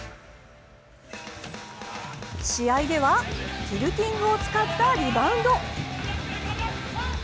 試合では、ティルティングを使ったリバウンド。